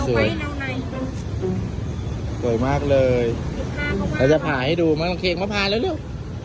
สวยมากเลยเราจะผ่าให้ดูมามาผ่าแล้วเร็ว